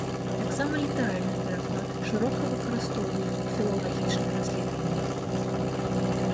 Таксама літаральны пераклад шырока выкарыстоўваюць у філалагічных даследаваннях.